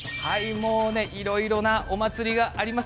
いろいろなお祭りがあります。